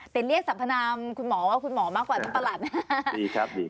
แต่เรียกสัมพนามคุณหมอว่าคุณหมอมากกว่าท่านประหลัดนะดีครับดี